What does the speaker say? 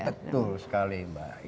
betul sekali mbak